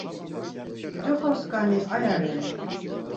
Coxoskani aya reni?